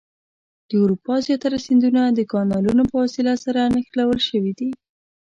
د اروپا زیاتره سیندونه د کانالونو په وسیله سره نښلول شوي دي.